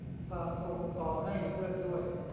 ฝากส่งต่อให้เพื่อนด้วย